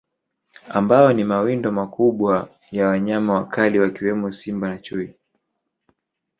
Ambao ni mawindo makubwa ya wanyama wakali wakiwemo Simba na Chui